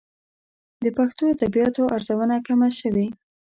د پښتو ادبياتو ارزونه کمه شوې.